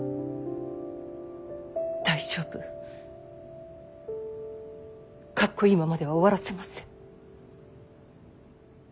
大丈夫格好いいままでは終わらせません。